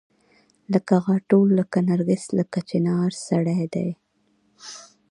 لکه غاټول لکه نرګس لکه چنارسړی دی